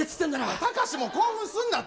たかしも興奮すんなって。